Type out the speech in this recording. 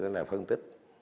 là phân tích